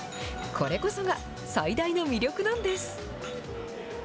これこそが、最大の魅力なんです。